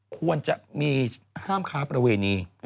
ควรจะมีห้ามค้าประเวณี